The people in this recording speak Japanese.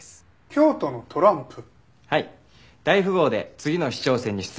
京都のトランプ！